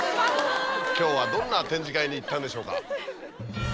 今日はどんな展示会に行ったんでしょうか？